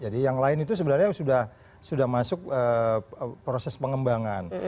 jadi yang lain itu sebenarnya sudah masuk proses pengembangan